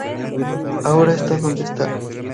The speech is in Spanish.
Ahora está donde está".